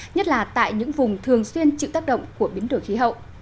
nhất là tại những vùng thường xuyên chịu tác động của biến đổi khí hậu